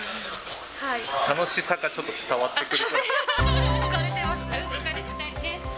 楽しさがちょっと伝わってく浮かれてます？